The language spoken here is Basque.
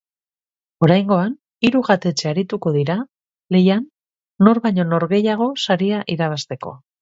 Oraingoan, hiru jatetxe arituko dira lehian nor baino nor gehiago saria irabatzeko.